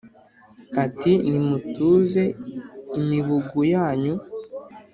ati : nimutuze imibugu yanyu